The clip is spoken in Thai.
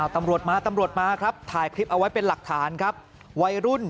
ตำรวจมาตำรวจมาครับถ่ายคลิปเอาไว้เป็นหลักฐานครับวัยรุ่น